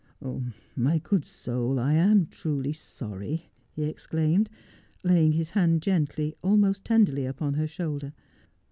My good soul, I am truly sorry,' he exclaimed, laying his hand gently, almost tenderly, upon her shoulder.